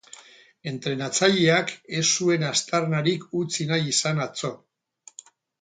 Entrenatzaileak ez zuen aztarnarik utzi nahi izan atzo.